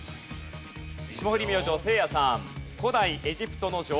霜降り明星せいやさん。